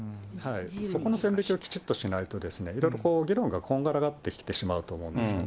そこの線引きをきちっとしないと、いろいろ議論がこんがらがってきてしまうと思うんですよね。